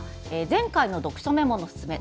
前回の読書メモのすすめ